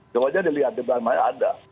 jauh aja dilihat di permainan ada